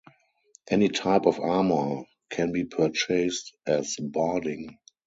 Any type of armor can be purchased as barding.